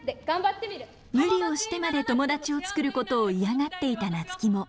無理をしてまで友達を作ることを嫌がっていた夏樹も。